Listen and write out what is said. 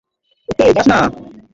কুট্টি, যাস না!